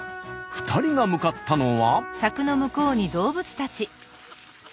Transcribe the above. ２人が向かったのは。